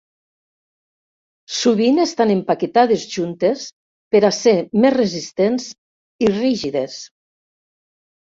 Sovint estan empaquetades juntes per a ser més resistents i rígides.